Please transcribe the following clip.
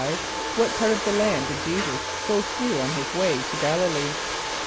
= What part of the land did J[=e]´[s+]us go through on his way to G[)a]l´[)i] lee?